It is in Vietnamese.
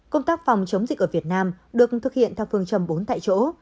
công tác phòng chống dịch ở việt nam được thực hiện theo phương châm bốn tại chỗ